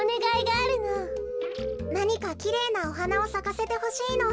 なにかきれいなおはなをさかせてほしいの。